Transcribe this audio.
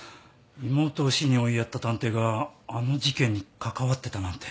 妹を死に追いやった探偵があの事件に関わってたなんて。